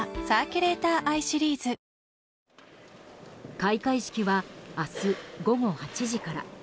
開会式は明日午後８時から。